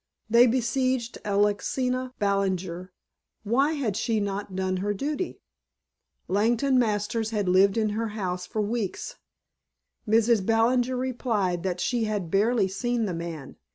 They besieged Alexina Ballinger. Why had she not done her duty? Langdon Masters had lived in her house for weeks. Mrs. Ballinger replied that she had barely seen the man.